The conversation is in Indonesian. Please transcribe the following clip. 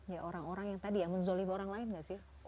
ya orang orang yang tadi ya menzolimi orang lain gak sih